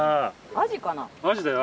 アジだよ